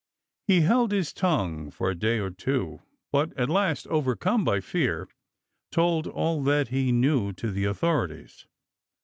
He held his tongue for a day or two ; but at last, overcome by fear, told all that he knew to the authorities.